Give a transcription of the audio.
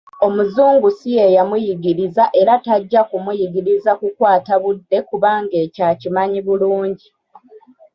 Omuzungu si ye yamuyigiriza era tajja kumuyigiriza kukwata budde kubanga ekyo akimanyi bulungi.